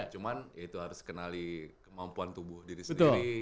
cuman ya itu harus kenali kemampuan tubuh diri sendiri